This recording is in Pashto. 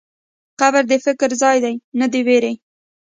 قبر د فکر ځای دی، نه د وېرې.